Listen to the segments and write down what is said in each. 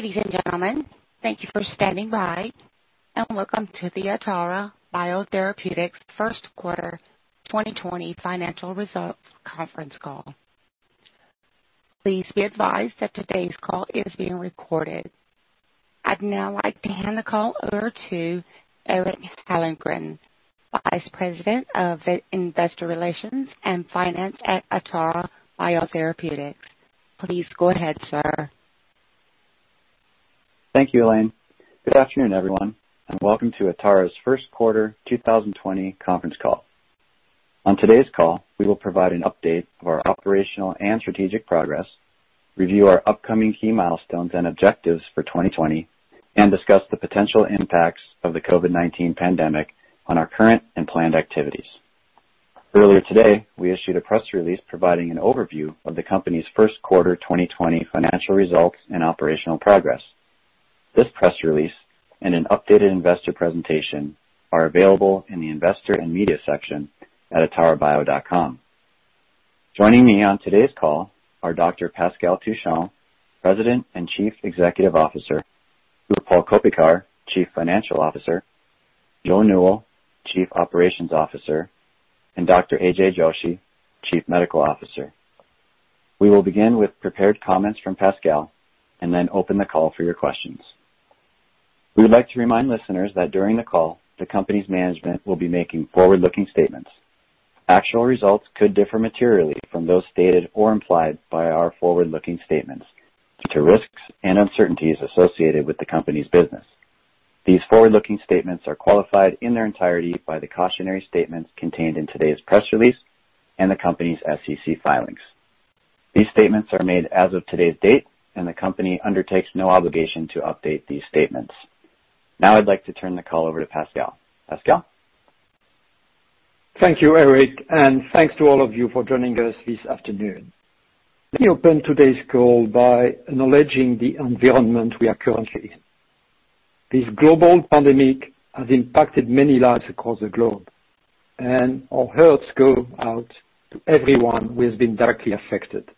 Ladies and gentlemen, thank you for standing by, and welcome to the Atara Biotherapeutics First Quarter 2020 Financial Results Conference Call. Please be advised that today's call is being recorded. I'd now like to hand the call over to Eric Hyllengren, Vice President of Investor Relations and Finance at Atara Biotherapeutics. Please go ahead, sir. Thank you, Elaine. Good afternoon, everyone, and welcome to Atara's First Quarter 2020 Conference Call. On today's call, we will provide an update of our operational and strategic progress, review our upcoming key milestones and objectives for 2020, and discuss the potential impacts of the COVID-19 pandemic on our current and planned activities. Earlier today, we issued a press release providing an overview of the company's first quarter 2020 financial results and operational progress. This press release and an updated investor presentation are available in the investor and media section at atarabio.com. Joining me on today's call are Dr. Pascal Touchon, President and Chief Executive Officer, Utpal Koppikar, Chief Financial Officer, Joe Newell, Chief Operations Officer, and Dr. AJ Joshi, Chief Medical Officer. We will begin with prepared comments from Pascal and then open the call for your questions. We would like to remind listeners that during the call; the company's management will be making forward-looking statements. Actual results could differ materially from those stated or implied by our forward-looking statements due to risks and uncertainties associated with the company's business. These forward-looking statements are qualified in their entirety by the cautionary statements contained in today's press release and the company's SEC filings. These statements are made as of today's date, and the company undertakes no obligation to update these statements. Now I'd like to turn the call over to Pascal. Pascal? Thank you, Eric, and thanks to all of you for joining us this afternoon. Let me open today's call by acknowledging the environment we are currently in. This global pandemic has impacted many lives across the globe, and our hearts go out to everyone who has been directly affected.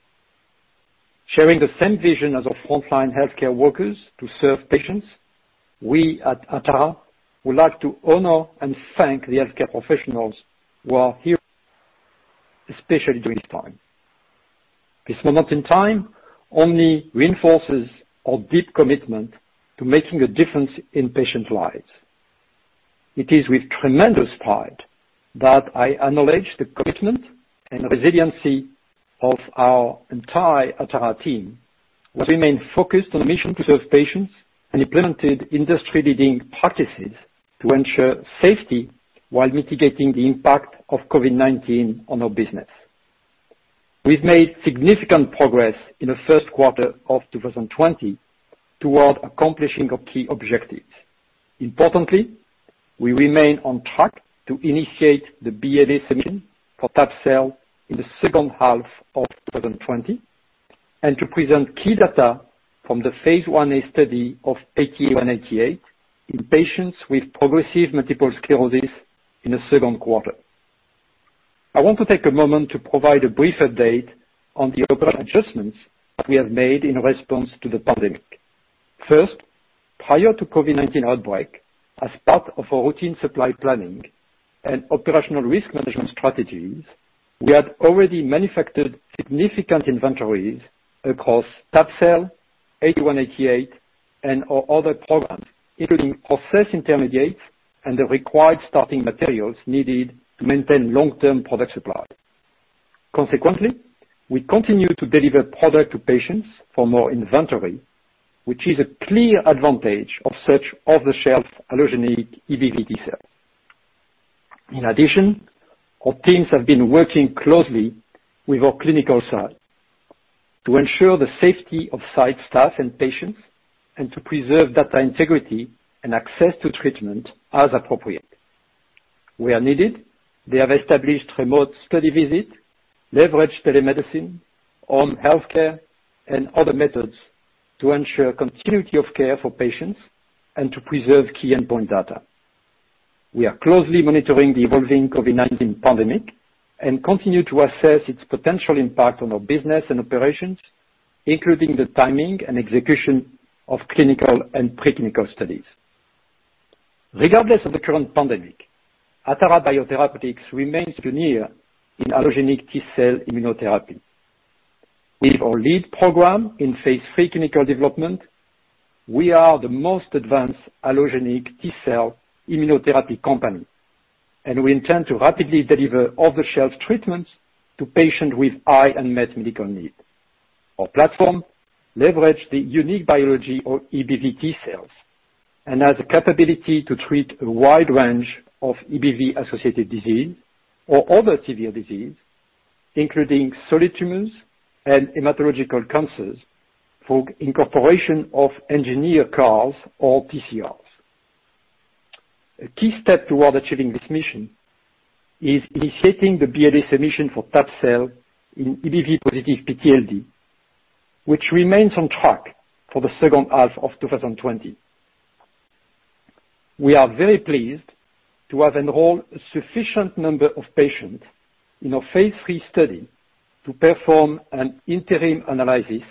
Sharing the same vision as our frontline healthcare workers to serve patients, we at Atara would like to honor and thank the healthcare professionals who are heroes, especially during this time. This moment in time only reinforces our deep commitment to making a difference in patients' lives. It is with tremendous pride that I acknowledge the commitment and resiliency of our entire Atara team, who remain focused on the mission to serve patients and implemented industry-leading practices to ensure safety while mitigating the impact of COVID-19 on our business. We've made significant progress in the first quarter of 2020 toward accomplishing our key objectives. Importantly, we remain on track to initiate the BLA submission for tab-cel in the second half of 2020 and to present key data from the phase I-A study of ATA188 in patients with progressive multiple sclerosis in the second quarter. I want to take a moment to provide a brief update on the operational adjustments we have made in response to the pandemic. First, prior to COVID-19 outbreak, as part of our routine supply planning and operational risk management strategies, we had already manufactured significant inventories across tab-cel, ATA188, and our other programs, including process intermediates and the required starting materials needed to maintain long-term product supply. Consequently, we continue to deliver product to patients from our inventory, which is a clear advantage of such off-the-shelf allogeneic EBV T-cell. In addition, our teams have been working closely with our clinical site to ensure the safety of site staff and patients and to preserve data integrity and access to treatment as appropriate. Where needed, they have established remote study visit, leveraged telemedicine, home healthcare, and other methods to ensure continuity of care for patients and to preserve key endpoint data. We are closely monitoring the evolving COVID-19 pandemic and continue to assess its potential impact on our business and operations, including the timing and execution of clinical and pre-clinical studies. Regardless of the current pandemic, Atara Biotherapeutics remains pioneer in allogeneic T-cell immunotherapy. With our lead program in phase III clinical development, we are the most advanced allogeneic T-cell immunotherapy company, and we intend to rapidly deliver off-the-shelf treatments to patients with high unmet medical need. Our platform leverages the unique biology of EBV T-cells and has the capability to treat a wide range of EBV-associated disease or other severe disease, including solid tumors and hematological cancers for incorporation of engineered CARs or TCRs. A key step toward achieving this mission is initiating the BLA submission for tab-cel in EBV+ PTLD, which remains on track for the second half of 2020. We are very pleased to have enrolled a sufficient number of patients in our phase III study to perform an interim analysis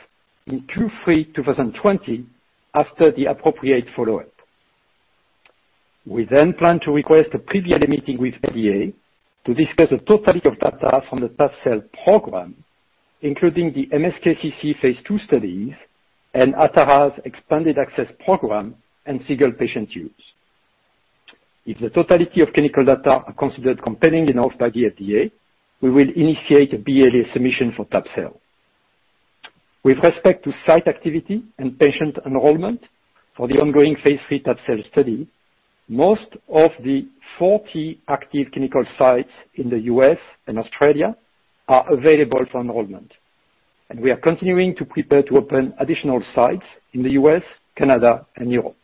in Q3 2020 after the appropriate follow-up. We plan to request a pre-BLA meeting with FDA to discuss the totality of data from the tab-cel program, including the MSKCC phase II studies and Atara's expanded access program and single patient use. If the totality of clinical data are considered compelling enough by the FDA, we will initiate a BLA submission for tab-cel. With respect to site activity and patient enrollment for the ongoing Phase III tab-cel study, most of the 40 active clinical sites in the U.S. and Australia are available for enrollment, and we are continuing to prepare to open additional sites in the U.S., Canada, and Europe.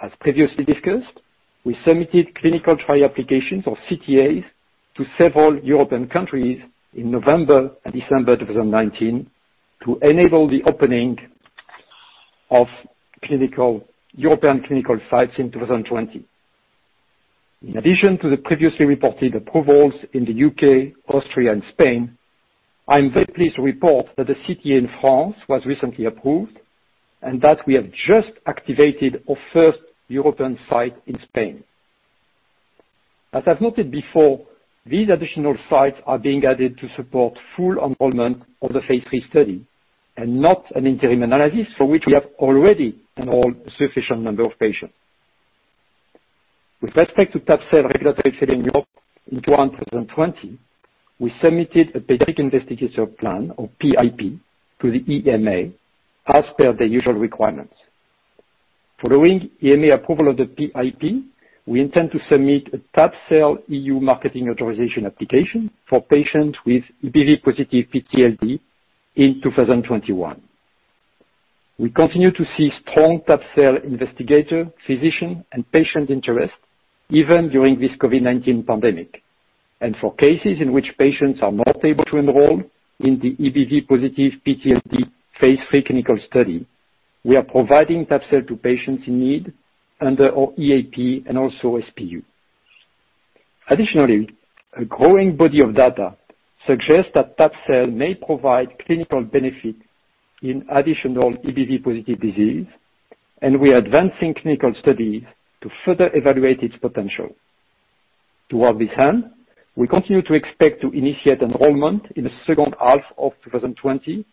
As previously discussed, we submitted clinical trial applications or CTAs to several European countries in November and December 2019 to enable the opening of European clinical sites in 2020. In addition to the previously reported approvals in the U.K., Austria, and Spain, I am very pleased to report that the CTA in France was recently approved and that we have just activated our first European site in Spain. As I've noted before, these additional sites are being added to support full enrollment of the phase III study and not an interim analysis for which we have already enrolled a sufficient number of patients. With respect to tab-cel regulatory filing in Europe in Q1 2020, we submitted a Pediatric Investigation Plan or PIP to the EMA as per their usual requirements. Following EMA approval of the PIP, we intend to submit a tab-cel EU Marketing Authorisation Application for patients with EBV-positive PTLD in 2021. We continue to see strong tab-cel investigator, physician, and patient interest even during this COVID-19 pandemic. For cases in which patients are not able to enroll in the EBV-positive PTLD phase III clinical study, we are providing tab-cel to patients in need under our EAP and also SPU. A growing body of data suggests that tab-cel may provide clinical benefit in additional EBV-positive disease, and we are advancing clinical studies to further evaluate its potential. Toward this end, we continue to expect to initiate enrollment in the second half of 2020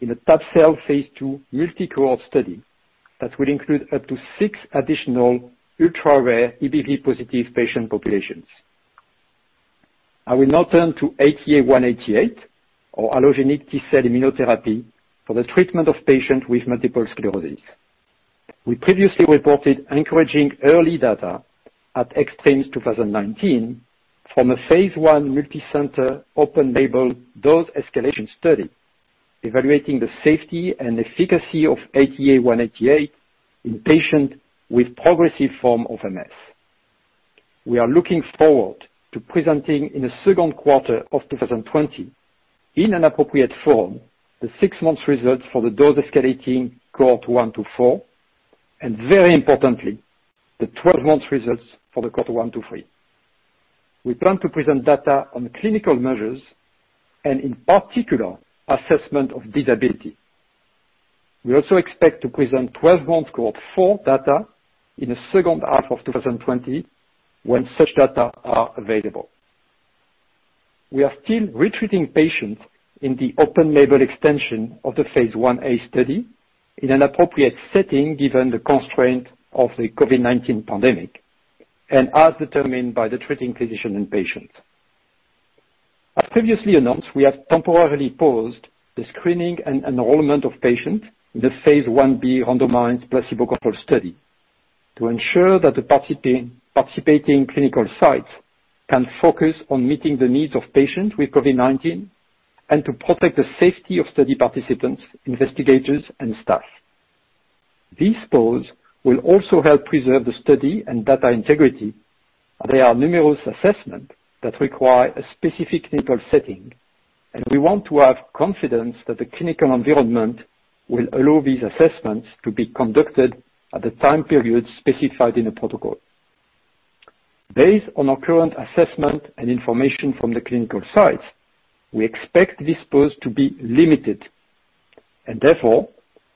in a tab-cel phase II multicohort study that will include up to six additional ultra-rare EBV-positive patient populations. I will now turn to ATA188, or allogeneic T-cell immunotherapy for the treatment of patients with multiple sclerosis. We previously reported encouraging early data at ECTRIMS 2019 from a phase I multicenter open label dose escalation study evaluating the safety and efficacy of ATA188 in patients with progressive form of MS. We are looking forward to presenting in the second quarter of 2020 in an appropriate form, the six-month results for the dose escalating Cohort I to IV, and very importantly, the 12-month results for the Cohort I to III. We plan to present data on clinical measures and, in particular, assessment of disability. We also expect to present 12-month Cohort IV data in the second half of 2020 when such data are available. We are still retreating patients in the open label extension of the phase I-A study in an appropriate setting given the constraint of the COVID-19 pandemic and as determined by the treating physician and patient. As previously announced, we have temporarily paused the screening and enrollment of patients in the phase I-B randomized placebo-controlled study to ensure that the participating clinical sites can focus on meeting the needs of patients with COVID-19 and to protect the safety of study participants, investigators, and staff. This pause will also help preserve the study and data integrity. There are numerous assessments that require a specific clinical setting, and we want to have confidence that the clinical environment will allow these assessments to be conducted at the time period specified in the protocol. Based on our current assessment and information from the clinical sites, we expect this pause to be limited, and therefore,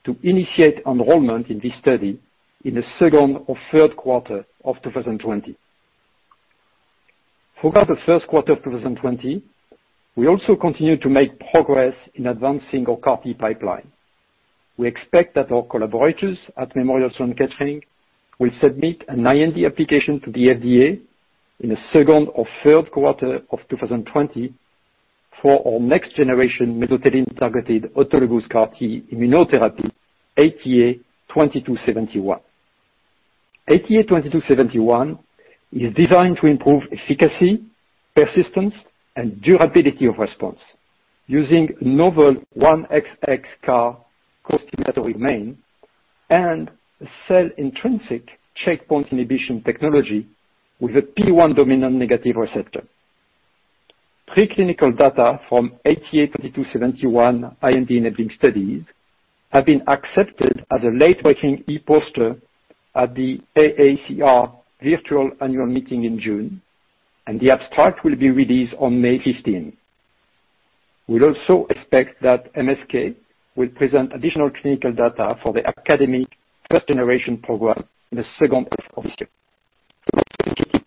to initiate enrollment in this study in the second or third quarter of 2020. Throughout the first quarter of 2020, we also continued to make progress in advancing our CAR-T pipeline. We expect that our collaborators at Memorial Sloan Kettering will submit an IND application to the FDA in the second or third quarter of 2020 for our next-generation mesothelin-targeted autologous CAR T immunotherapy, ATA2271. ATA2271 is designed to improve efficacy, persistence, and durability of response using a novel 1XX CAR costimulatory domain and a cell-intrinsic checkpoint inhibition technology with a PD-1 dominant negative receptor. Preclinical data from ATA2271 IND-enabling studies have been accepted as a late-breaking e-poster at the AACR Virtual Annual Meeting in June, and the abstract will be released on May 15th. We also expect that MSK will present additional clinical data for the academic first-generation program in the second half of this year.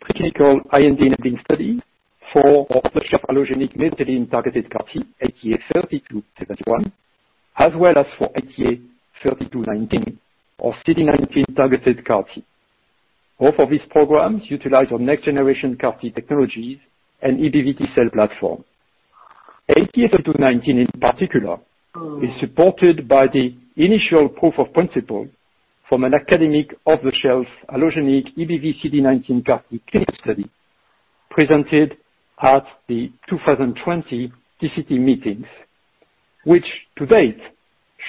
Preclinical IND-enabling study for off-the-shelf allogeneic mesothelin-targeted CAR T, ATA3271, as well as for ATA3219 or CD19-targeted CAR T. Both of these programs utilize our next-generation CAR T technologies and EBV T-cell platform. ATA3219, in particular, is supported by the initial proof of principle from an academic off-the-shelf allogeneic EBV T CD19 CAR T clinical study presented at the 2020 TCT meetings, which to date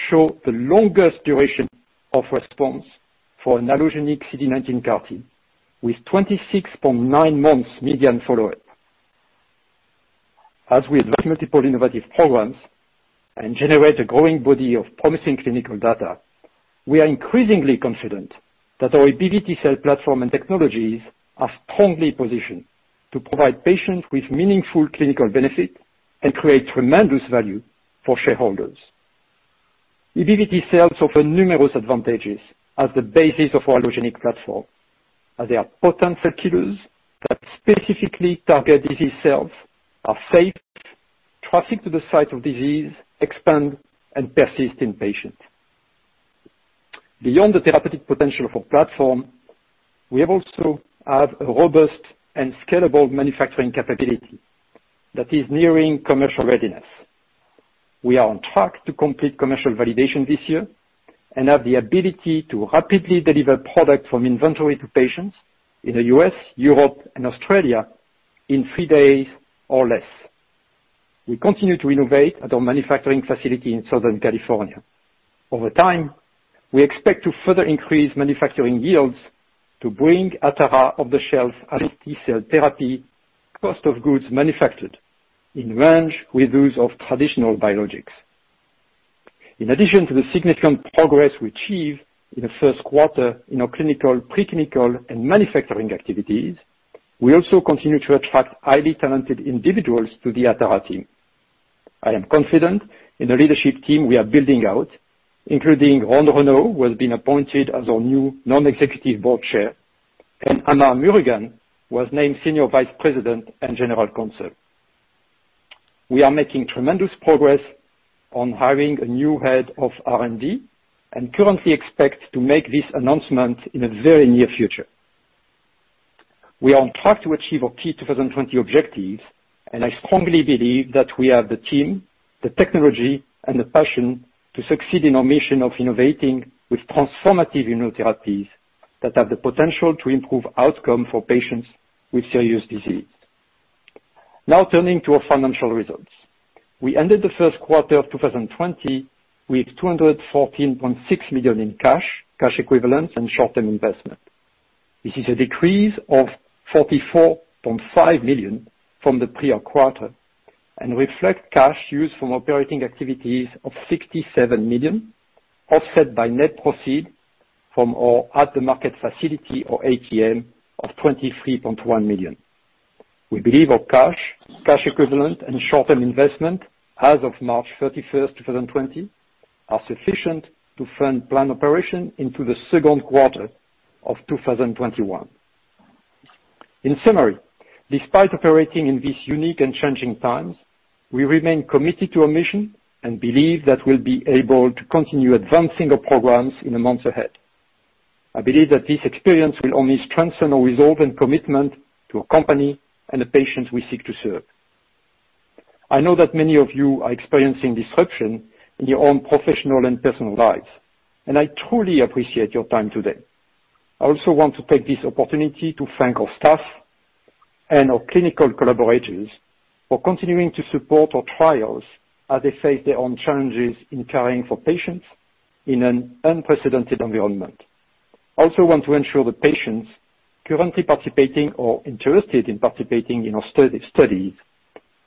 show the longest duration of response for an allogeneic CD19 CAR T, with 26.9 months median follow-up. As we advance multiple innovative programs and generate a growing body of promising clinical data, we are increasingly confident that our EBV T-cell platform and technologies are strongly positioned to provide patients with meaningful clinical benefit and create tremendous value for shareholders. EBV T-cells offer numerous advantages as the basis of our allogeneic platform, as they are potent cell killers that specifically target disease cells, are safe, traffic to the site of disease, expand, and persist in patients. Beyond the therapeutic potential of our platform, we also have a robust and scalable manufacturing capability that is nearing commercial readiness. We are on track to complete commercial validation this year and have the ability to rapidly deliver product from inventory to patients in the U.S., Europe, and Australia in three days or less. We continue to innovate at our manufacturing facility in Southern California. Over time, we expect to further increase manufacturing yields to bring Atara off-the-shelf ATRA in cell therapy cost of goods manufactured in range with those of traditional biologics. In addition to the significant progress, we achieved in the first quarter in our clinical, pre-clinical, and manufacturing activities, we also continue to attract highly talented individuals to the Atara team. I am confident in the leadership team we are building out, including Ron Renaud, who has been appointed as our new Non-Executive Board Chair, and Amar Murugan, who was named Senior Vice President and General Counsel. We are making tremendous progress on hiring a new head of R&D and currently expect to make this announcement in the very near future. We are on track to achieve our key 2020 objectives. I strongly believe that we have the team, the technology, and the passion to succeed in our mission of innovating with transformative immunotherapies that have the potential to improve outcome for patients with serious disease. Turning to our financial results. We ended the first quarter of 2020 with $214.6 million in cash equivalents, and short-term investments. This is a decrease of $44.5 million from the prior quarter and reflects cash used from operating activities of $67 million, offset by net proceed from our at-the-market facility or ATM of $23.1 million. We believe our cash equivalent, and short-term investment as of March 31st, 2020, are sufficient to fund planned operation into the second quarter of 2021. In summary, despite operating in these unique and changing times, we remain committed to our mission and believe that we'll be able to continue advancing our programs in the months ahead. I believe that this experience will only strengthen our resolve and commitment to our company and the patients we seek to serve. I know that many of you are experiencing disruption in your own professional and personal lives, and I truly appreciate your time today. I also want to take this opportunity to thank our staff and our clinical collaborators for continuing to support our trials as they face their own challenges in caring for patients in an unprecedented environment. I also want to ensure the patients currently participating or interested in participating in our studies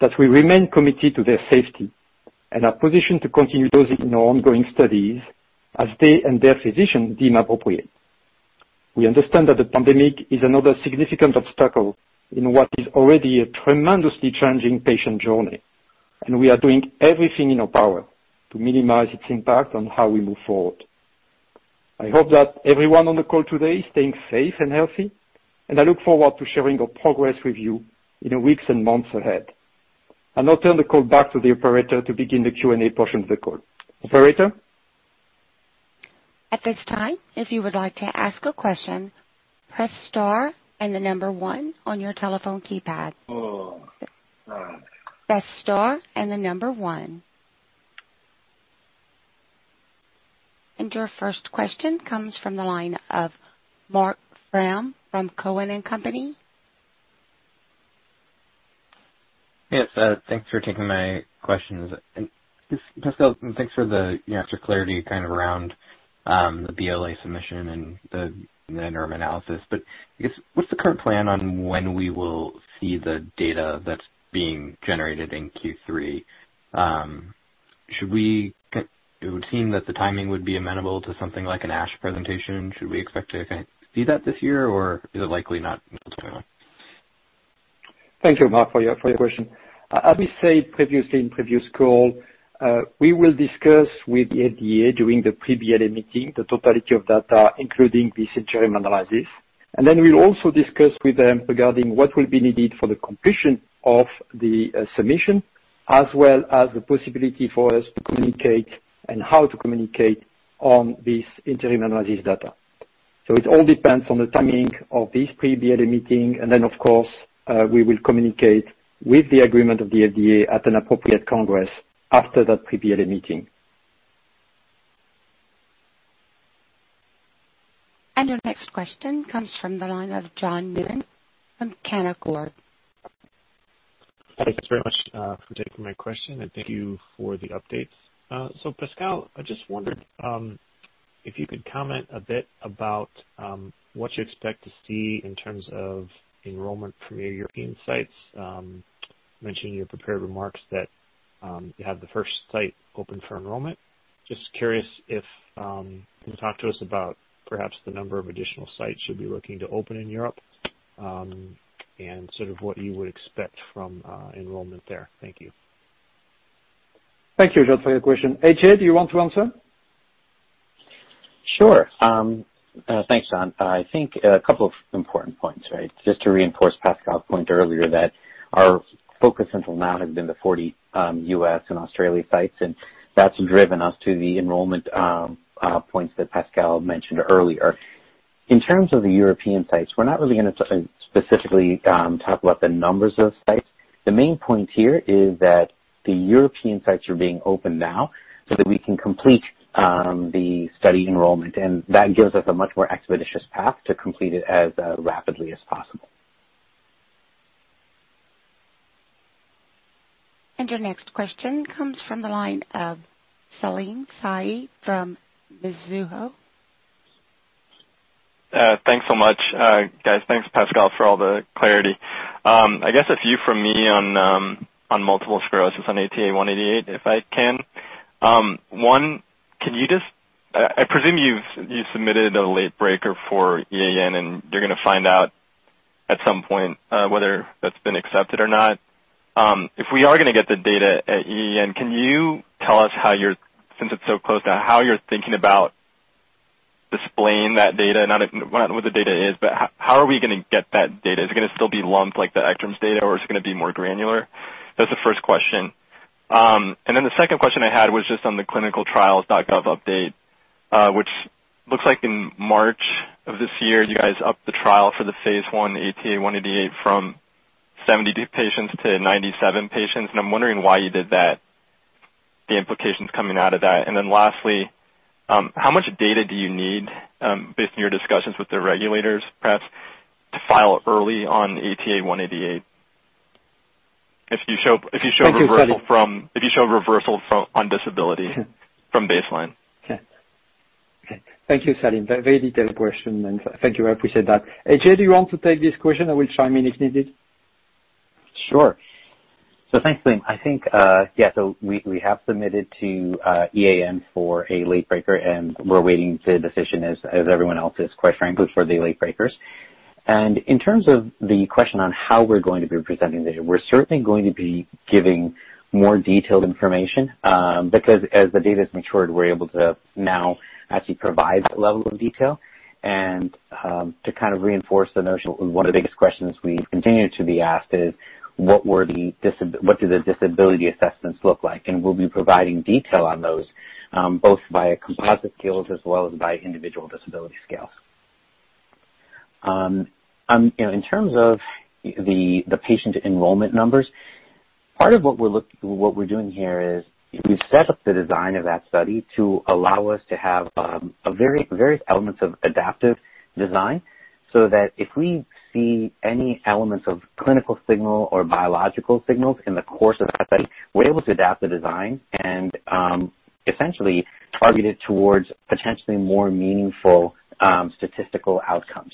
that we remain committed to their safety and are positioned to continue those in our ongoing studies as they and their physicians deem appropriate. We understand that the pandemic is another significant obstacle in what a tremendously challenging patient journey is already, and we are doing everything in our power to minimize its impact on how we move forward. I hope that everyone on the call today is staying safe and healthy, and I look forward to sharing our progress with you in the weeks and months ahead. I'll now turn the call back to the operator to begin the Q&A portion of the call. Operator? At this time, if you would like to ask a question, press star and the number one on your telephone keypad. Press star and the number one. Your first question comes from the line of Mark Brown from Cowen and Company. Yes, thanks for taking my questions. Pascal, thanks for the extra clarity around the BLA submission and the interim analysis. I guess, what's the current plan on when we will see the data that's being generated in Q3? It would seem that the timing would be amenable to something like an ASH presentation. Should we expect to see that this year, or is it likely not what's going on? Thank you, Mark, for your question. As we said previously in previous call, we will discuss with the FDA during the pre-BLA meeting the totality of data, including this interim analysis. We'll also discuss with them regarding what will be needed for the completion of the submission as well as the possibility for us to communicate and how to communicate on this interim analysis data. It all depends on the timing of this pre-BLA meeting, and then, of course, we will communicate with the agreement of the FDA at an appropriate congress after that pre-BLA meeting. Your next question comes from the line of John Linn from Canaccord. Thank you very much for taking my question, and thank you for the updates. Pascal, I just wondered if you could comment a bit about what you expect to see in terms of enrollment from your European sites. You mentioned in your prepared remarks that you have the first site open for enrollment. Just curious if you can talk to us about perhaps the number of additional sites you'll be looking to open in Europe, and sort of what you would expect from enrollment there. Thank you. Thank you, John, for your question. AJ, do you want to answer? Sure. Thanks, John. I think a couple of important points, right? Just to reinforce Pascal's point earlier that our focus until now has been the 40 U.S. and Australia sites. That's driven us to the enrollment points that Pascal mentioned earlier. In terms of the European sites, we're not really going to specifically talk about the numbers of sites. The main point here is that the European sites are being opened now so that we can complete the study enrollment. That gives us a much more expeditious path to complete it as rapidly as possible. Your next question comes from the line of Salim Syed from Mizuho. Thanks so much, guys. Thanks, Pascal, for all the clarity. I guess a few from me on multiple sclerosis on ATA188, if I can. One, I presume you've submitted a late breaker for EAN and you're going to find out at some point whether that's been accepted or not. If we are going to get the data at EAN, can you tell us, since it's so close now, how you're thinking about displaying that data? Not what the data is, but how are we going to get that data? Is it going to still be lumped like the ACTRIMS data, or is it going to be more granular? That's the first question. The second question I had was just on the clinicaltrials.gov update, which looks like in March of this year, you guys upped the trial for the phase I ATA188 from 72 patients to 97 patients, and I'm wondering why you did that, the implications coming out of that. Lastly, how much data do you need, based on your discussions with the regulators perhaps, to file early on ATA188? Thank you, Salim. if you show reversal on disability from baseline. Okay. Thank you, Salim. Very detailed question and thank you. I appreciate that. AJ, do you want to take this question? I will chime in if needed. Thanks, Salim. I think, yeah, we have submitted to EAN for a late breaker, and we're awaiting the decision as everyone else is, quite frankly, for the late breakers. In terms of the question on how we're going to be presenting the data, we're certainly going to be giving more detailed information, because as the data's matured, we're able to now actually provide that level of detail and to kind of reinforce the notion of one of the biggest questions we continue to be asked is: What do the disability assessments look like? We'll be providing detail on those, both via composite scales as well as by individual disability scales. In terms of the patient enrollment numbers, part of what we're doing here is we set up the design of that study to allow us to have various elements of adaptive design so that if we see any elements of clinical signal or biological signals in the course of the study, we're able to adapt the design and essentially target it towards potentially more meaningful statistical outcomes.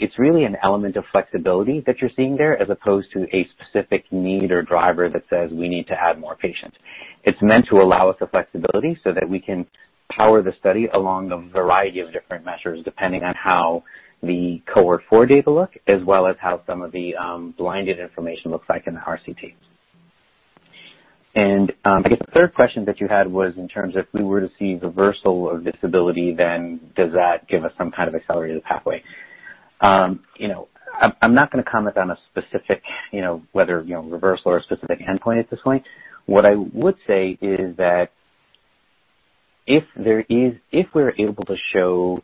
It's really an element of flexibility that you're seeing there as opposed to a specific need or driver that says we need to add more patients. It's meant to allow us the flexibility so that we can power the study along a variety of different measures, depending on how the cohort 4 data look, as well as how some of the blinded information looks like in the RCT. I guess the third question that you had was in terms of if we were to see reversal of disability, then does that give us some kind of accelerated pathway? I'm not going to comment on a specific whether reversal or a specific endpoint at this point. What I would say is that if we're able to show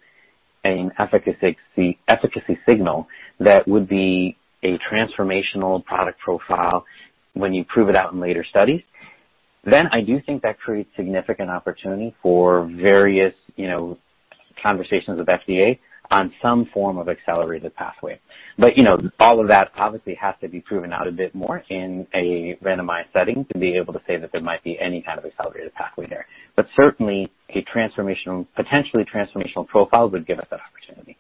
an efficacy signal, that would be a transformational product profile when you prove it out in later studies. I do think that creates significant opportunity for various conversations with FDA on some form of accelerated pathway. All of that obviously has to be proven out a bit more in a randomized setting to be able to say that there might be any kind of accelerated pathway there. Certainly, a potentially transformational profile would give us that opportunity.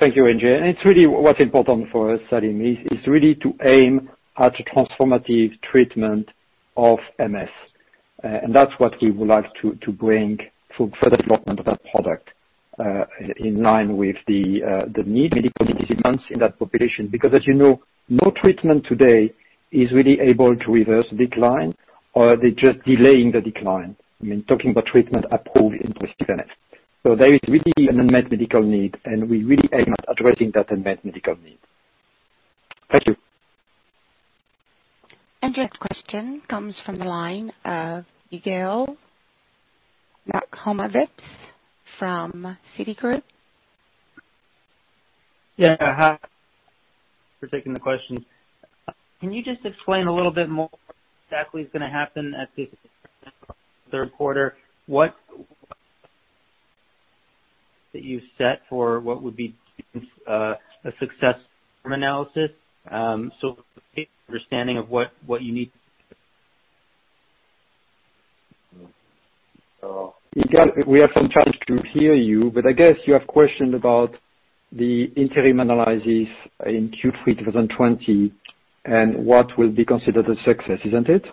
Thank you, AJ. What's important for us, Salim, is really to aim at a transformative treatment of MS. That's what we would like to bring for the development of that product, in line with the need, medical needs in that population. As you know, no treatment today is really able to reverse decline or they're just delaying the decline. I mean, talking about treatment approved in progressive MS. There is really an unmet medical need, and we really aim at addressing that unmet medical need. Thank you. Your next question comes from the line of Yigal Nochomovitz from Citigroup. Yeah. Hi. For taking the question. Can you just explain a little bit more what exactly is going to happen at the third quarter? What that you've set for what would be, a success from analysis. The understanding of what you need. Yigal, we have some challenge to hear you, but I guess you have questioned about the interim analysis in Q3 2020 and what will be considered a success, isn't it?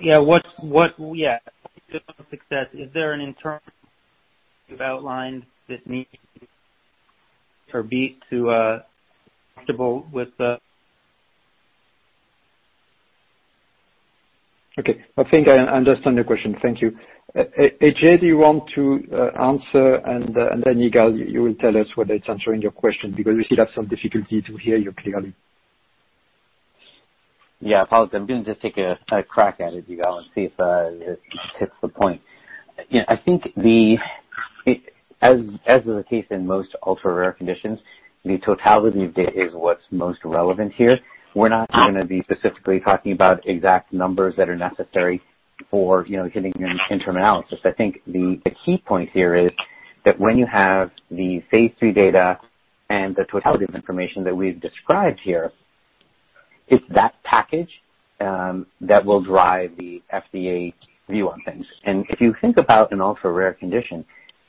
Yeah. What success? Is there an interim you've outlined that need or be comfortable with the? Okay. I think I understand the question. Thank you. AJ, do you want to answer and then Yigal, you will tell us whether it's answering your question because we still have some difficulty to hear you clearly. Yeah, apologies. I'm going to just take a crack at it, Yigal, and see if it hits the point. I think the as is the in most ultra-rare conditions, the totality of data is what's most relevant here. We're not going to be specifically talking about exact numbers that are necessary for hitting your interim analysis. I think the key point here is that when you have the phase III data and the totality of information that we've described here, it's that package that will drive the FDA view on things. If you think about an ultra-rare condition,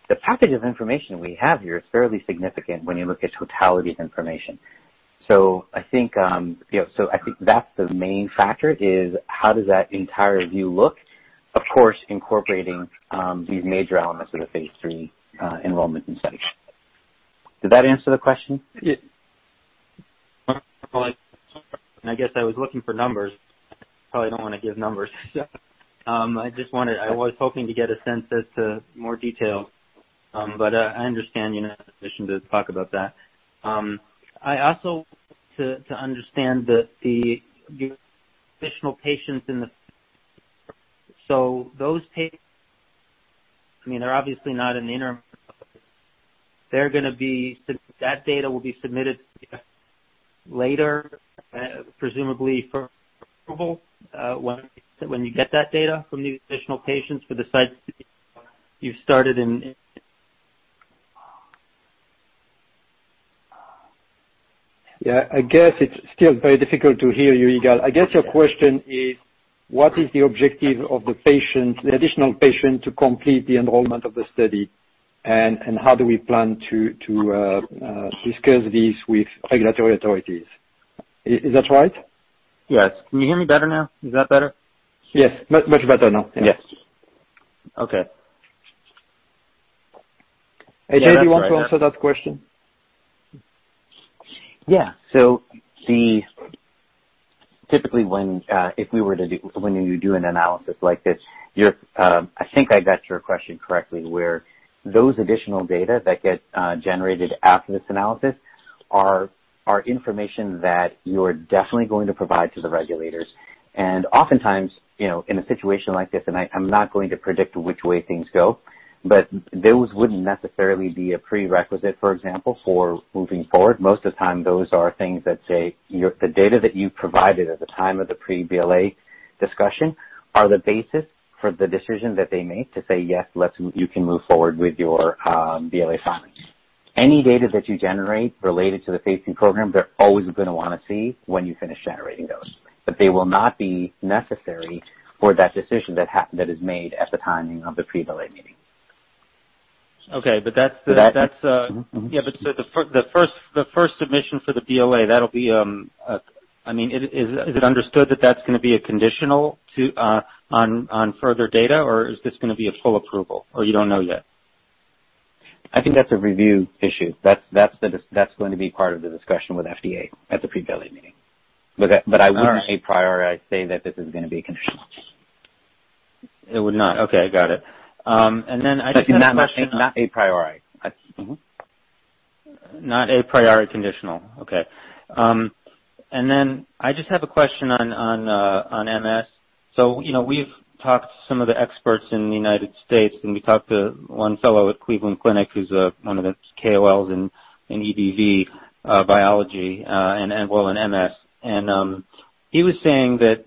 the package of information we have here is fairly significant when you look at totality of information. I think that's the main factor, is how does that entire view look, of course, incorporating the major elements of the phase III enrollment in the study. Did that answer the question? Yeah. I guess I was looking for numbers. You probably don't want to give numbers. I was hoping to get a sense as to more detail. I understand you're not in a position to talk about that. I also want to understand the additional patients in the study. Those patients, I mean, they're obviously not an interim. That data will be submitted later, presumably for approval, when you get that data from the additional patients for the sites you've started in. Yeah. I guess it's still very difficult to hear you, Yigal. I guess your question is what is the objective of the additional patient to complete the enrollment of the study and how do we plan to discuss this with regulatory authorities. Is that right? Yes. Can you hear me better now? Is that better? Yes. Much better now. Yes. Okay. AJ, do you want to answer that question? Yeah. Typically, when you do an analysis like this, I think I got your question correctly, where those additional data that get generated after this analysis are information that you're definitely going to provide to the regulators. Oftentimes, in a situation like this, and I'm not going to predict which way things go, those wouldn't necessarily be a prerequisite, for example, for moving forward. Most of the time, those are things that say, the data that you provided at the time of the pre-BLA discussion are the basis for the decision that they make to say, "Yes, you can move forward with your BLA filing." Any data that you generate related to the phase III program, they're always going to want to see when you finish generating those. They will not be necessary for that decision that is made at the timing of the pre-BLA meeting. Okay. The first submission for the BLA, is it understood that that's going to be a conditional on further data, or is this going to be a full approval or you don't know yet? I think that's a review issue. That's going to be part of the discussion with FDA at the pre-BLA meeting. I wouldn't say a priori say that this is going to be conditional. It would not. Okay. Got it. Then I just have a question on. Not a priori. Not a priori conditional. Okay. I just have a question on MS. We've talked to some of the experts in the United States, and we talked to one fellow at Cleveland Clinic who's one of the KOLs in EBV biology, and well in MS, and he was saying that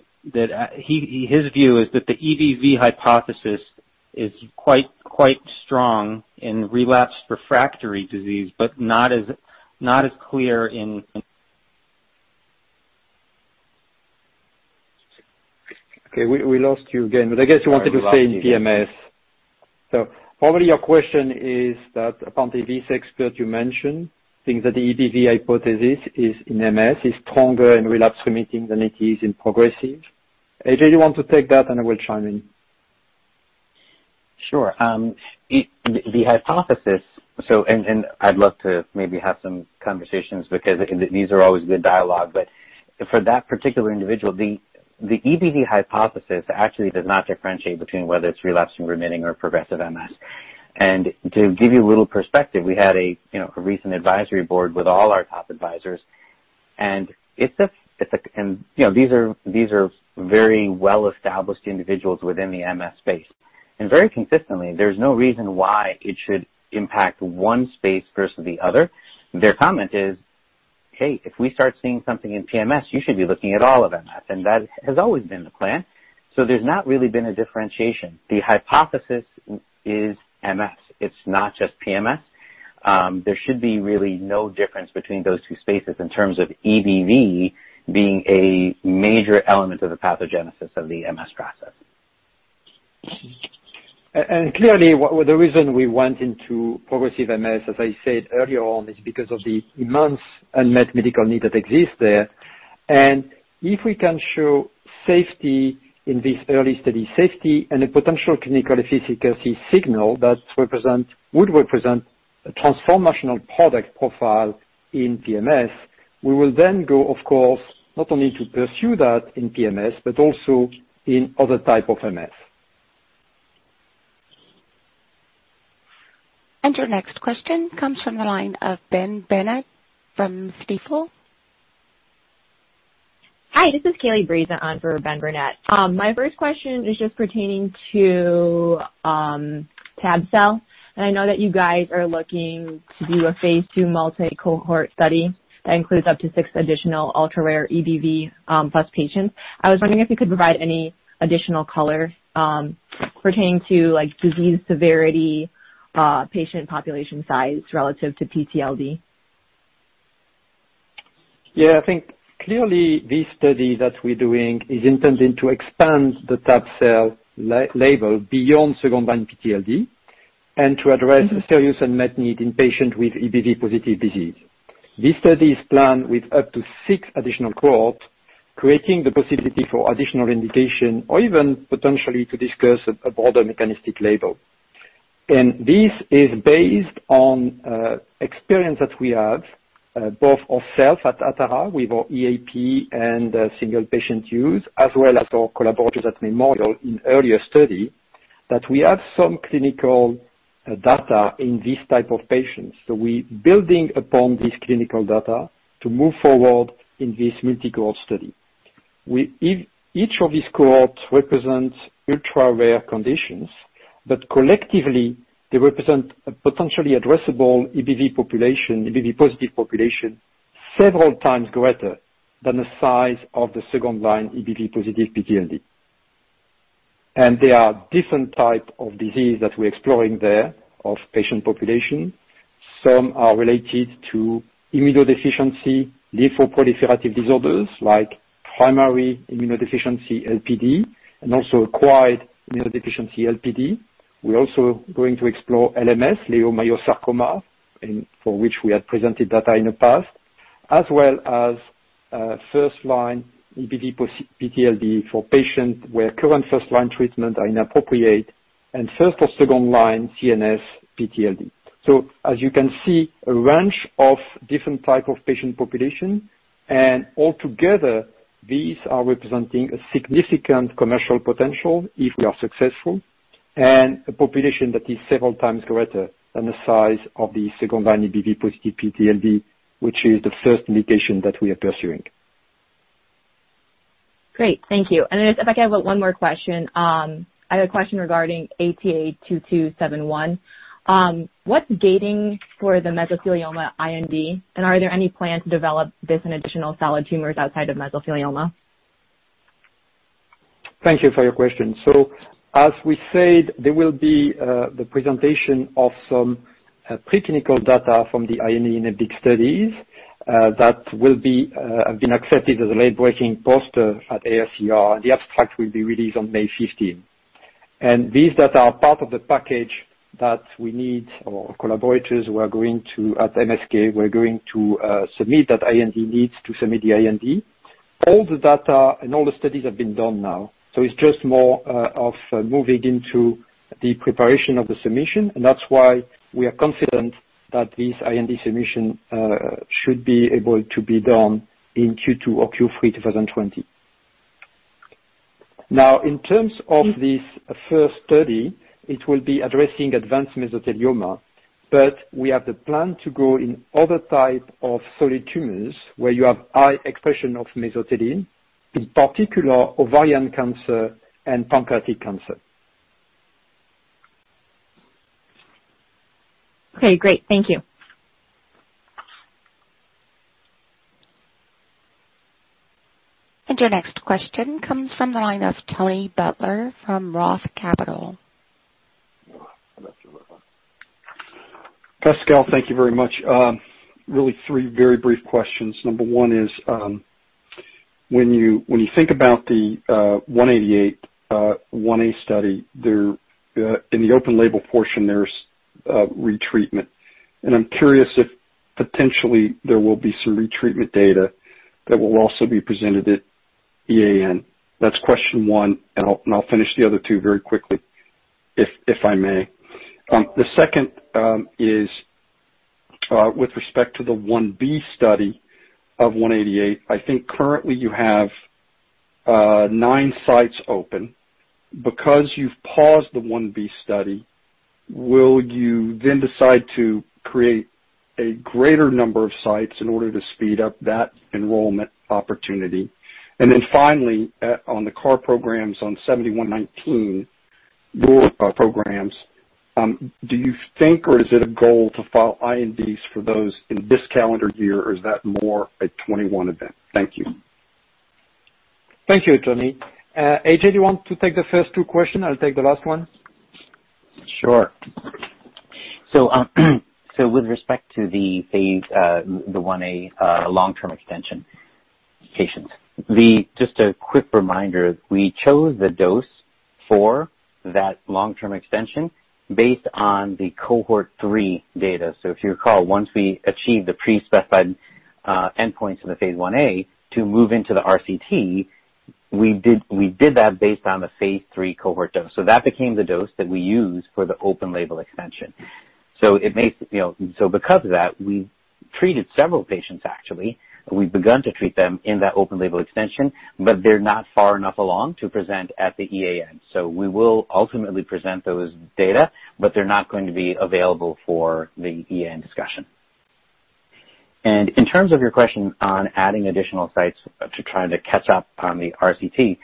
his view is that the EBV hypothesis is quite strong in relapsed refractory disease, but not as clear in We lost you again. I guess you wanted to say in PMS. Probably your question is that upon the KOL expert you mentioned, think that the EBV hypothesis is in MS is stronger in relapse remitting than it is in progressive. AJ, do you want to take that and I will chime in? Sure. The hypothesis, and I'd love to maybe have some conversations because these are always good dialogue, but for that particular individual, the EBV hypothesis actually does not differentiate between whether it's relapse and remitting or progressive MS. To give you a little perspective, we had a recent advisory board with all our top advisors. These are very well-established individuals within the MS space. Very consistently, there's no reason why it should impact one space versus the other. Their comment is, "Hey, if we start seeing something in PMS, you should be looking at all of MS." That has always been the plan. There's not really been a differentiation. The hypothesis is MS; it's not just PMS. There should be really no difference between those two spaces in terms of EBV being a major element of the pathogenesis of the MS process. Clearly, the reason we went into progressive MS, as I said earlier on, is because of the immense unmet medical need that exists there. If we can show safety in this early study, safety and a potential clinical efficacy signal that would represent a transformational product profile in PMS, we will then go, of course, not only to pursue that in PMS, but also in other type of MS. Your next question comes from the line of Ben Burnett from Stifel. Hi, this is Kelly Braza on for Ben Burnett. My first question is just pertaining to tab-cel. I know that you guys are looking to do a phase II multi-cohort study that includes up to six additional ultra-rare EBV plus patients. I was wondering if you could provide any additional color pertaining to disease severity, patient population size relative to PTLD. Yeah, I think clearly this study that we're doing is intended to expand the tab-cel label beyond second line PTLD and to address a serious unmet need in patient with EBV-positive disease. This study is planned with up to six additional cohorts, creating the possibility for additional indication or even potentially to discuss a broader mechanistic label. This is based on experience that we have, both ourself at Atara with our EAP and single patient use, as well as our collaborators at Memorial in earlier study, that we have some clinical data in this type of patients. We building upon this clinical data to move forward in this multi-cohort study. Each of these cohorts represents ultra-rare conditions, but collectively, they represent a potentially addressable EBV-positive population, EBV-positive population, several times greater than the size of the second line EBV-positive PTLD. There are different type of disease that we're exploring there of patient population. Some are related to immunodeficiency, lymphoproliferative disorders like primary immunodeficiency LPD, and also acquired immunodeficiency LPD. We're also going to explore LMS, leiomyosarcoma, for which we had presented data in the past, as well as first-line EBV PTLD for patient where current first-line treatment are inappropriate and first or second-line CNS PTLD. As you can see, a range of different type of patient population, and altogether, these are representing a significant commercial potential if we are successful, and a population that is several times greater than the size of the second-line EBV+ PTLD, which is the first indication that we are pursuing. Great. Thank you. If I could have one more question. I have a question regarding ATA2271. What's gating for the mesothelioma IND? Are there any plans to develop this in additional solid tumors outside of mesothelioma? Thank you for your question. As we said, there will be the presentation of some preclinical data from the IND and IND studies that have been accepted as a late-breaking poster at AACR. The abstract will be released on May 15th. These data are part of the package that we need our collaborators at MSK, we're going to submit that IND needs to submit the IND. All the data and all the studies have been done now. It's just more of moving into the preparation of the submission, and that's why we are confident that this IND submission should be able to be done in Q2 or Q3 2020. In terms of this first study, it will be addressing advanced mesothelioma. We have the plan to go in other type of solid tumors where you have high expression of mesothelin, in particular ovarian cancer and pancreatic cancer. Okay, great. Thank you. Your next question comes from the line of Tony Butler from ROTH Capital. Pascal, thank you very much. Really three very brief questions. Number one is, when you think about the ATA188 1A study, in the open label portion, there's retreatment. I'm curious if potentially there will be some retreatment data that will also be presented at EAN. That's question one, and I'll finish the other two very quickly, if I may. The second is with respect to the 1B study of ATA188. I think currently you have nine sites open. Because you've paused the 1B study, will you then decide to create a greater number of sites in order to speed up that enrollment opportunity? Finally, on the CAR programs on ATA3219, your programs, do you think, or is it a goal to file INDs for those in this calendar year, or is that more a 2021 event? Thank you. Thank you, Tony. AJ, do you want to take the first two question? I'll take the last one. Sure. With respect to the phase I-A long-term extension patients, just a quick reminder, we chose the dose for that long-term extension based on the cohort 3 data. If you recall, once we achieved the pre-specified endpoints of the phase I-A to move into the RCT, we did that based on the phase III cohort dose. That became the dose that we used for the open label extension. Because of that, we've treated several patients, actually. We've begun to treat them in that open label extension, but they're not far enough along to present at the EAN. We will ultimately present those data, but they're not going to be available for the EAN discussion. In terms of your question on adding additional sites to trying to catch up on the RCT,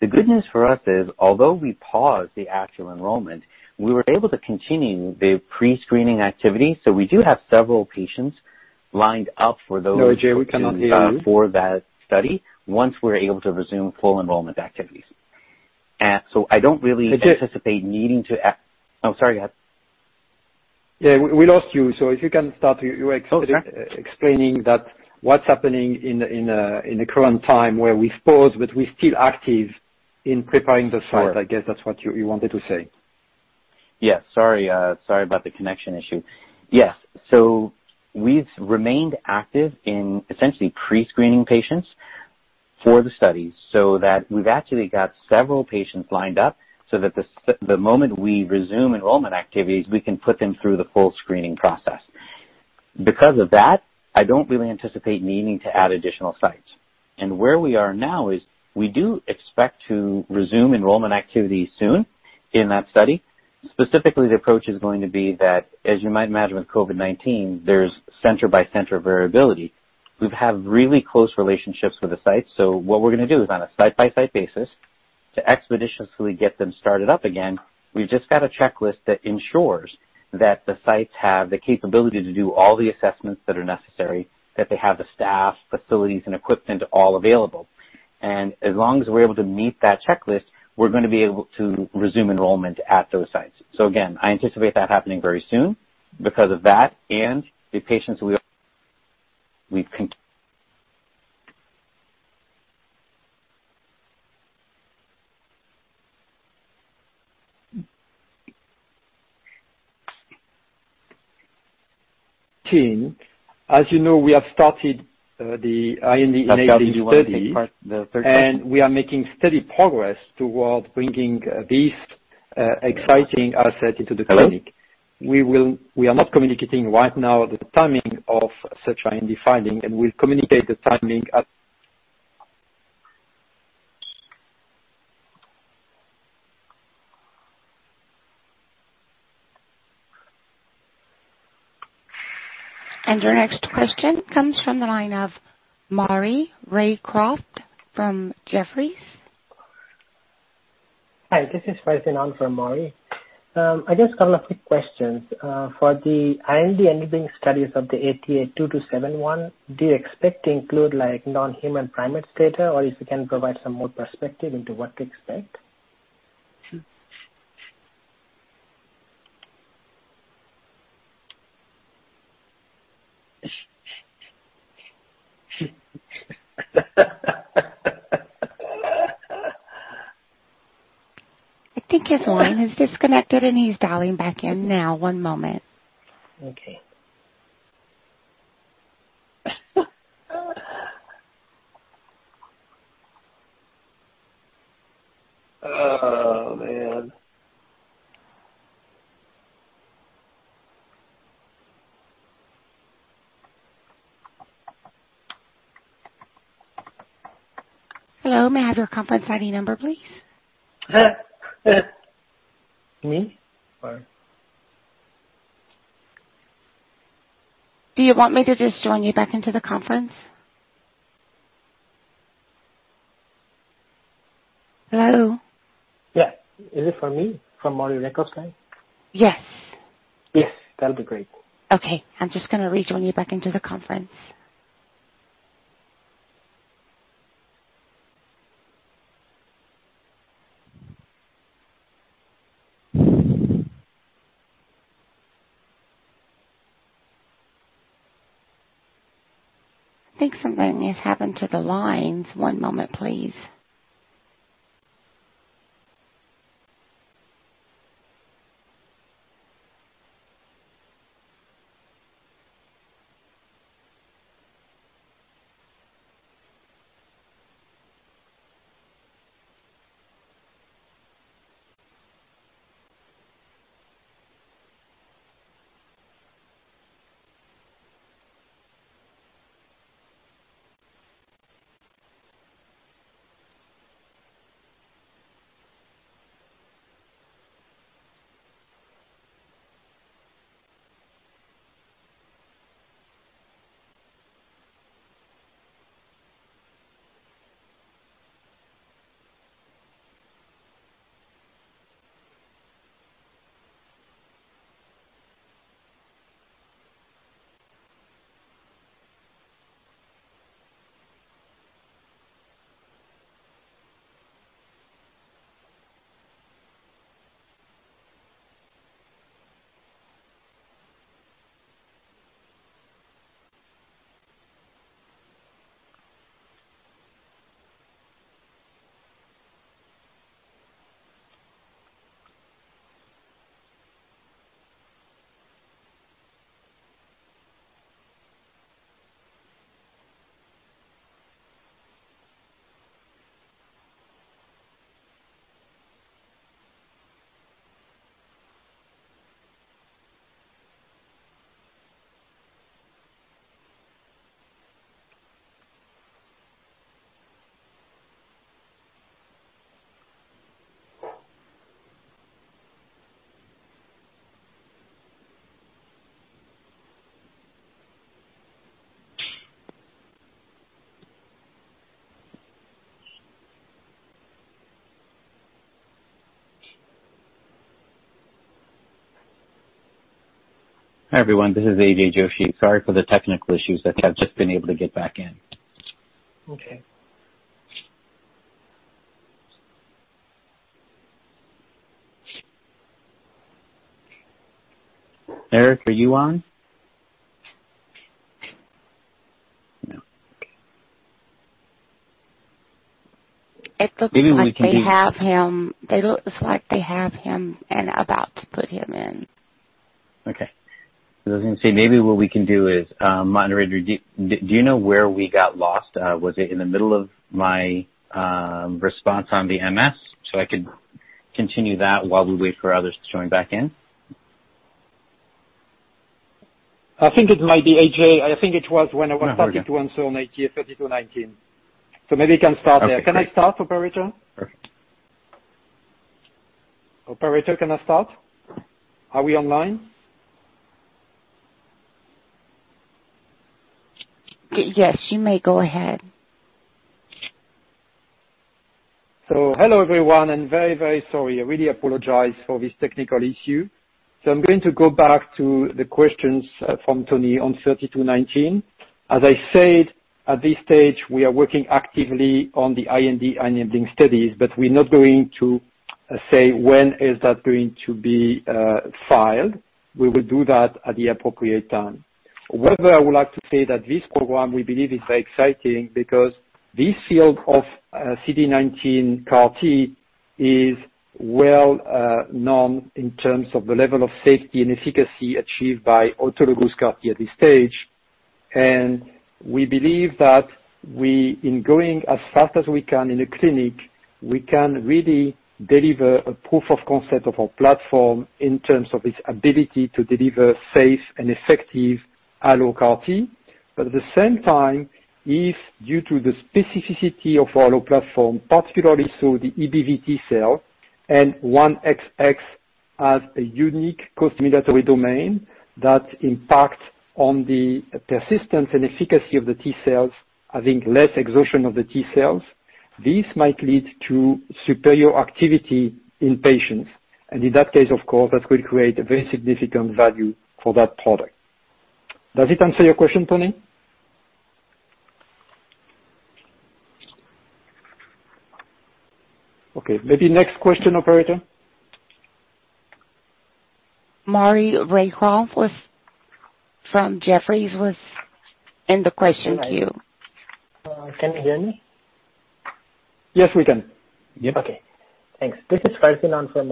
the good news for us is, although we paused the actual enrollment, we were able to continue the pre-screening activity. We do have several patients lined up for those. AJ, we cannot hear you. for that study once we're able to resume full enrollment activities. I don't really anticipate needing to Oh, sorry. Yeah, we lost you. If you can start your explaining that what's happening in the current time where we pause, but we're still active in preparing the site. I guess that's what you wanted to say. Yeah. Sorry about the connection issue. Yes. We've remained active in essentially pre-screening patients for the study so that we've actually got several patients lined up so that the moment we resume enrollment activities, we can put them through the full screening process. Because of that, I don't really anticipate needing to add additional sites. Where we are now is we do expect to resume enrollment activities soon in that study. Specifically, the approach is going to be that, as you might imagine with COVID-19, there's center by center variability. We have really close relationships with the sites, so what we're going to do is on a site-by-site basis to expeditiously get them started up again. We've just got a checklist that ensures that the sites have the capability to do all the assessments that are necessary, that they have the staff, facilities, and equipment all available. As long as we're able to meet that checklist, we're going to be able to resume enrollment at those sites. Again, I anticipate that happening very soon because of that and the patients we've con. As you know, we have started the IND-enabling study. Pascal, do you want to take the third question? We are making steady progress toward bringing this exciting asset into the clinic. Hello? We are not communicating right now the timing of such IND filing, and we'll communicate the timing at. Your next question comes from the line of Maury Raycroft from Jefferies. Hi, this is Faisal from Maury. I just have a quick question. For the IND-enabling studies of the ATA2271, do you expect to include non-human primate data? If you can provide some more perspective into what to expect? I think his line has disconnected and he's dialing back in now. One moment. Okay. Hello, may I have your conference ID number, please? Me? Or Do you want me to just join you back into the conference? Hello? Is it for me? From Maury Raycroft's line? Yes. Yes, that'll be great. Okay. I'm just going to rejoin you back into the conference. I think something has happened to the lines. One moment, please. Hi, everyone. This is AJ Joshi. Sorry for the technical issues. I have just been able to get back in. Okay. Eric, are you on? No. Okay. It looks like they have him and about to put him in. Okay. I was going to say, maybe what we can do is Moderator, do you know where we got lost? Was it in the middle of my response on BMS, so I could continue that while we wait for others to join back in? I think it might be, AJ. I think it was when I was starting to answer on ATA3219. Maybe you can start there. Can I start, operator? Okay. Operator, can I start? Are we online? Yes, you may go ahead. Hello, everyone, and very sorry. I really apologize for this technical issue. I'm going to go back to the questions from Tony on 3219. As I said, at this stage, we are working actively on the IND-enabling studies, we're not going to say when is that going to be filed. We will do that at the appropriate time. What I would like to say that this program, we believe, is very exciting because this field of CD19 CAR T is well-known in terms of the level of safety and efficacy achieved by autologous CAR T at this stage. We believe that in going as fast as we can in a clinic, we can really deliver a proof of concept of our platform in terms of its ability to deliver safe and effective allo CAR T. At the same time, if due to the specificity of our allo platform, particularly so the EBV T-cell and 1XX has a unique costimulatory domain that impacts on the persistence and efficacy of the T-cells, having less exhaustion of the T-cells, this might lead to superior activity in patients. In that case, of course, that will create a very significant value for that product. Does it answer your question, Tony? Okay. Maybe next question, operator. Maury Raycroft from Jefferies was in the question queue. Can you hear me? Yes, we can. Okay, thanks. This is Faisal from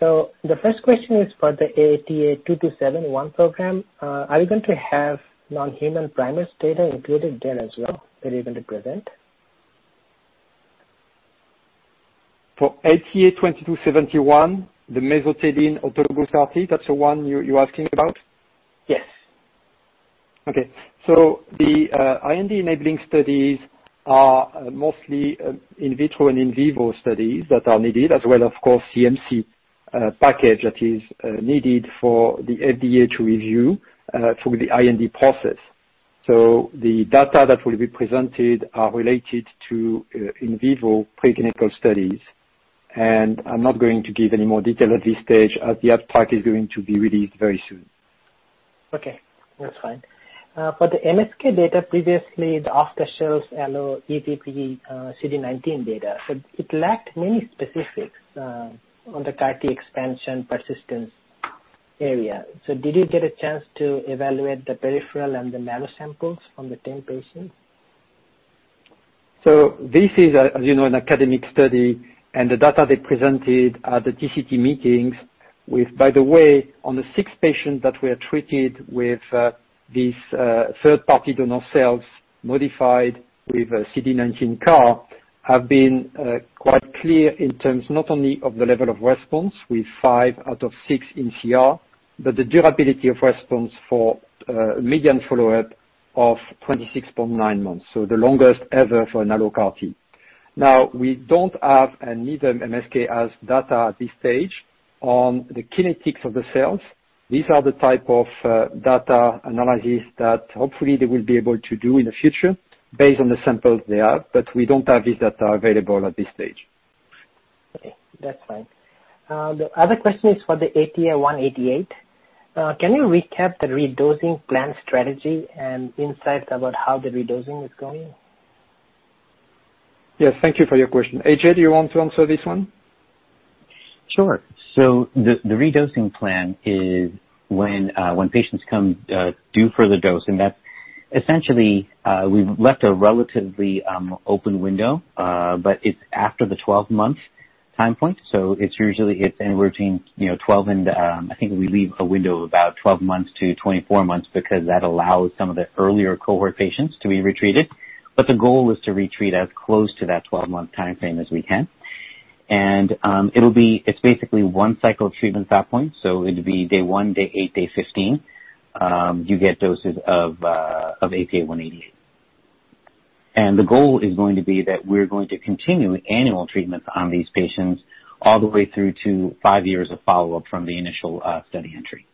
Maury. The first question is for the ATA2271 program. Are you going to have non-human primate data included there as well that you're going to present? For ATA2271, the mesothelin autologous CAR T, that's the one you're asking about? Yes. Okay. The IND-enabling studies are mostly in vitro and in vivo studies that are needed, as well, of course, CMC package that is needed for the FDA to review for the IND process. The data that will be presented are related to in vivo preclinical studies. I'm not going to give any more detail at this stage as the abstract is going to be released very soon. Okay, that's fine. For the MSK data previously, the off-the-shelf allo EBV CD19 data. It lacked many specifics on the CAR T expansion persistence area. Did you get a chance to evaluate the peripheral and the nano samples from the same patient? This is, as you know, an academic study, and the data they presented at the TCT meetings with, by the way, on the six patients that were treated with these third-party donor cells modified with CD19 CAR, have been quite clear in terms not only of the level of response, with five out of six in CR, but the durability of response for a median follow-up of 26.9 months. The longest ever for an allo CAR T. We don't have and neither MSK has data at this stage on the kinetics of the cells. These are the type of data analysis that hopefully they will be able to do in the future based on the samples they have, but we don't have this data available at this stage. Okay, that's fine. The other question is for the ATA188. Can you recap the redosing plan strategy and insights about how the redosing is going? Yes, thank you for your question. AJ, do you want to answer this one? Sure. The redosing plan is when patients come due for the dose, and that's essentially we've left a relatively open window, but it's after the 12-month time point. It's usually it's anywhere between 12 and, I think we leave a window of about 12 months-24 months because that allows some of the earlier cohort patients to be retreated. The goal is to retreat as close to that 12-month timeframe as we can. It's basically one cycle of treatment at that point, so it'd be day one, day eight, day 15. You get doses of ATA188. The goal is going to be that we're going to continue annual treatments on these patients all the way through to five years of follow-up from the initial study entry.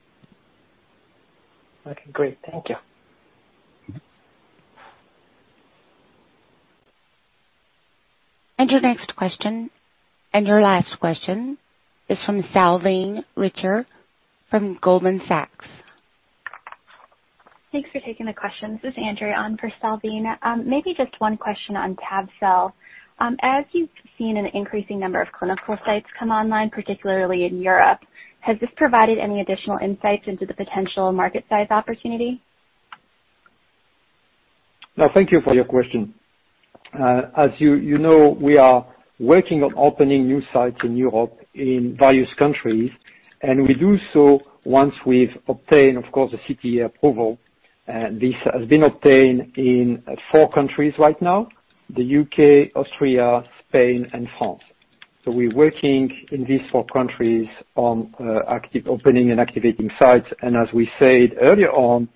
Okay, great. Thank you. Your next question, and your last question, is from Salveen Richter from Goldman Sachs. Thanks for taking the question. This is Andrea on for Salveen. Maybe just one question on tab-cel. As you've seen an increasing number of clinical sites come online, particularly in Europe, has this provided any additional insights into the potential market size opportunity? No, thank you for your question. As you know, we are working on opening new sites in Europe in various countries, and we do so once we've obtained, of course, the CTA approval. This has been obtained in four countries right now, the U.K., Austria, Spain, and France. We're working in these four countries on opening and activating sites. As we said earlier on,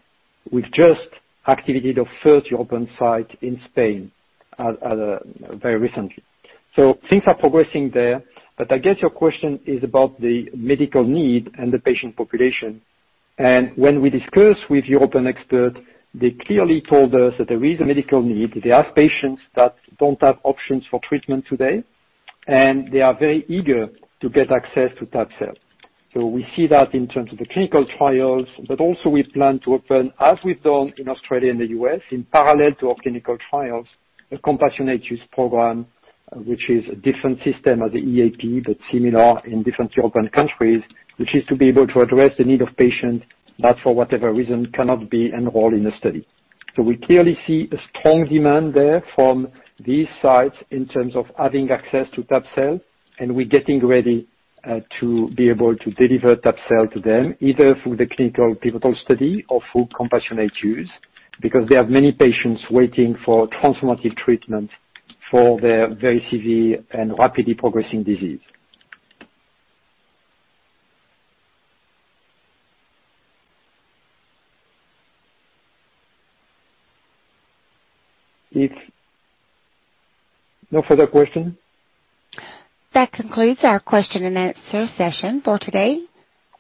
we've just activated a third European site in Spain very recently. Things are progressing there. I guess your question is about the medical need and the patient population. When we discussed with European expert, they clearly told us that there is a medical need. There are patients that don't have options for treatment today, and they are very eager to get access to Tab-cel. We see that in terms of the clinical trials, but also we plan to open, as we've done in Australia and the U.S., in parallel to our clinical trials, a compassionate use program, which is a different system at the EAP, but similar in different European countries, which is to be able to address the need of patients that for whatever reason, cannot be enrolled in the study. We clearly see a strong demand there from these sites in terms of having access to tab-cel, and we're getting ready to be able to deliver tab-cel to them, either through the clinical pivotal study or through compassionate use, because they have many patients waiting for transformative treatment for their very severe and rapidly progressing disease. If no further question. That concludes our question and answer session for today.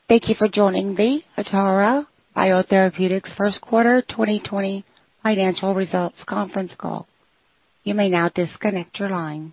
Thank you for joining the Atara Biotherapeutics first quarter 2020 financial results conference call. You may now disconnect your line.